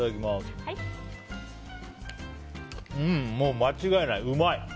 うん、もう間違いない。